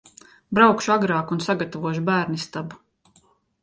Braukšu agrāk un sagatavošu bērnistabu.